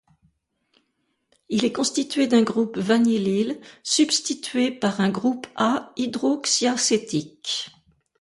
Il est constitué d'un groupe vanillyle, substitué par un groupe α-hydroxyacétique.